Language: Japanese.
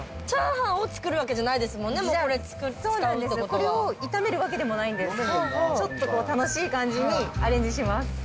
チャーハンを作るわけじゃないですもんね、これ使うってことこれを炒めるわけじゃないんです、ちょっと楽しい感じにアレンジします。